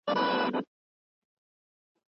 چي د اور او اسلحو په توسط ئې.